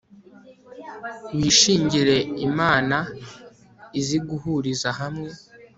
Wishingire Imana izi guhuriza hamwe